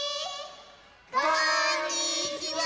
こんにちは！